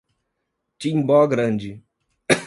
Timbó Grande